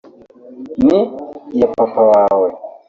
ni iya papa wawe